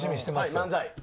漫才。